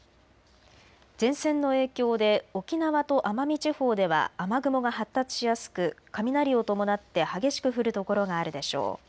前線の影響で沖縄と奄美地方では雨雲が発達しやすく雷を伴って激しく降る所があるでしょう。